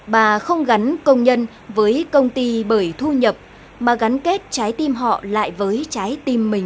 bà không gắn công nhân với công ty bởi thu nhập mà gắn kết trái tim họ lại với trái tim mình